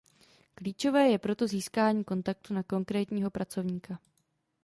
Klíčové je proto získání kontaktu na konkrétního pracovníka.